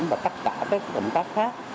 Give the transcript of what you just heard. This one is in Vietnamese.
và tất cả các công tác khác